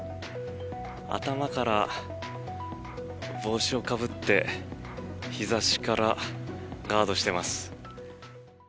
頭から帽子をかぶって日差しからガードしています。